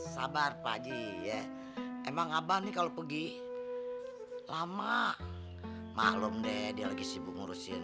sabar pagi ya emang abang nih kalau pergi lama maklum deh dia lagi sibuk ngurusin